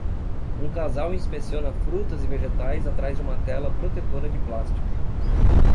Um casal inspeciona frutas e vegetais atrás de uma tela protetora de plástico.